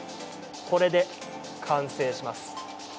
これで完成します。